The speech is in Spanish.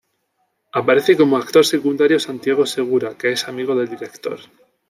Aparece como actor secundario Santiago Segura, que es amigo del director.